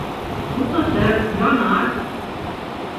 Ҡурҡытыр, янар!